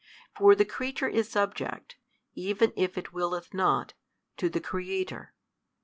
For the creature is subject, even if it willeth not, to the Creator?